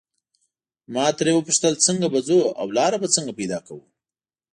ما ترې وپوښتل څنګه به ځو او لاره به څنګه پیدا کوو.